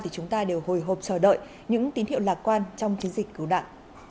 chúng ta đều hồi hộp chờ đợi những tín hiệu lạc quan trong chiến dịch cứu đạn